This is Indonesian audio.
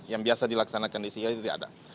yang biasa dilaksanakan di singapura itu tidak ada